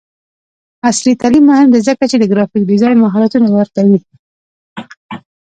عصري تعلیم مهم دی ځکه چې د ګرافیک ډیزاین مهارتونه ورکوي.